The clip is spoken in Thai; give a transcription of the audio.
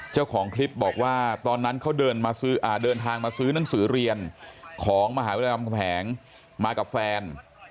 เจ้าของคลิปบอกว่าตอนนั้นเขาเดินทางมาซื้อหนังสือเรียนของมหาวิทยาลำคำแหงมากับแฟน